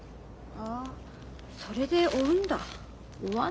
ああそれで追うんだ。